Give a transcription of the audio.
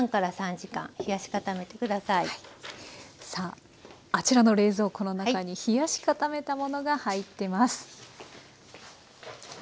さああちらの冷蔵庫の中に冷やし固めたものが入ってます。